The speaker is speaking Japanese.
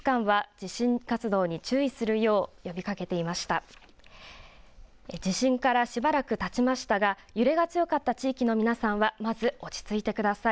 地震からしばらくたちましたが揺れが強かった地域の皆さんはまず落ち着いてください。